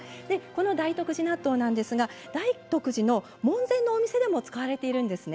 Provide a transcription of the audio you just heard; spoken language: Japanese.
大徳寺納豆なんですが大徳寺の門前のお店でも使われています。